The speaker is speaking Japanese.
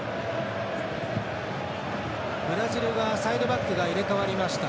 ブラジルがサイドバックが入れ代わりました。